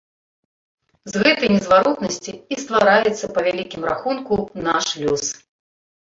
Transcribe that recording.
З гэтай незваротнасці і ствараецца, па вялікім рахунку, наш лёс.